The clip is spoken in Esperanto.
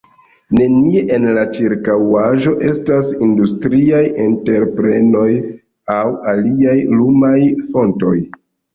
Nenie en la ĉirkaŭaĵo estas industriaj entreprenoj aŭ aliaj lumaj fontoj.